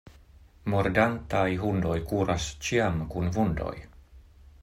Mordantaj hundoj kuras ĉiam kun vundoj.